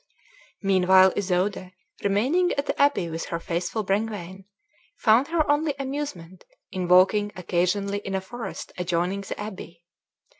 Meanwhile Isoude, remaining at the abbey with her faithful Brengwain, found her only amusement in walking occasionally in a forest adjoining the abbey.